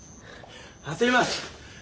焦ります！